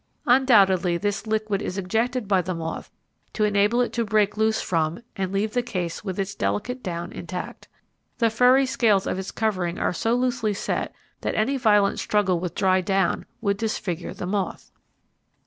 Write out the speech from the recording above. Undoubtedly this liquid is ejected by the moth to enable it to break loose from and leave the case with its delicate down intact. The furry scales of its covering are so loosely set that any violent struggle with dry down would disfigure the moth.